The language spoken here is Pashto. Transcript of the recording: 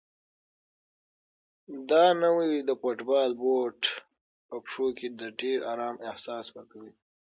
دا نوی د فوټبال بوټ په پښو کې د ډېر ارام احساس ورکوي.